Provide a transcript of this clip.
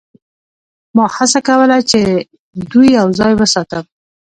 ما هڅه کوله چې دوی یوځای وساتم